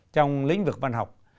trong lĩnh vực văn học